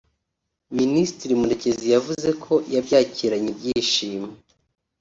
Minisitiri Murekezi yavuze ko yabyakiranye ibyishimo